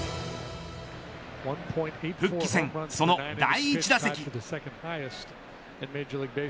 復帰戦、その第１打席。